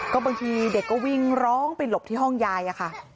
ก็บางทีเด็กก็วิ่งร้องไปหลบที่ห้องยายอะค่ะ